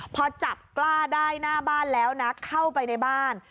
พอจับกล้าได้หน้าบ้านแล้วนะเข้าไปในบ้าน